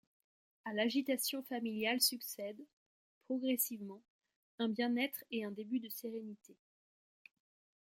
A l'agitation familiale succèdent, progressivement, un bien-être et un début de sérénité.